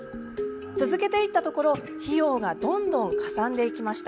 続けていったところ、費用がどんどんかさんでいきました。